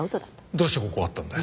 どうしてここがわかったんだよ。